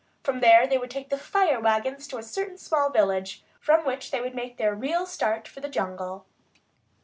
From there they would take the "fire wagons" to a certain small village, from which they would make their real start for the jungle.